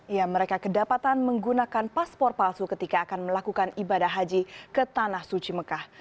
ya mereka kedapatan menggunakan paspor palsu ketika akan melakukan ibadah haji ke tanah suci mekah